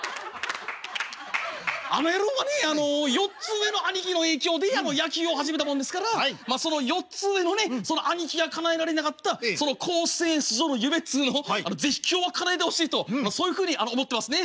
あの野郎はね４つ上の兄貴の影響で野球を始めたもんですからその４つ上のねその兄貴がかなえられなかった甲子園出場の夢っつうの是非今日はかなえてほしいとそういうふうに思ってますね」。